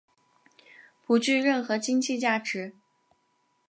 不具任何经济价值。